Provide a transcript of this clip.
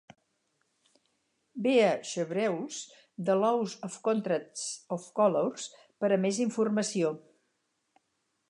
Vea Chevreul's "The Laws of Contrast of Colour" per a més informació.